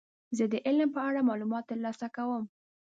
زه د علم په اړه معلومات ترلاسه کوم.